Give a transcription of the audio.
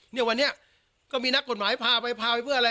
แต่วันนี้ก็มีนักกฎหมายพาไปเพื่ออะไร